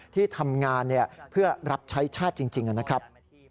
ที่ทำงานเพื่อรับใช้ชาติจริงนะครับ